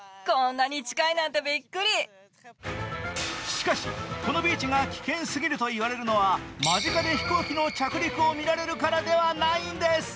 しかし、このビーチが危険すぎると言われるのは、間近で飛行機の着陸を見られるからではないんです。